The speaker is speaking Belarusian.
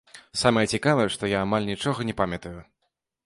Самае цікавае, што я амаль нічога не памятаю.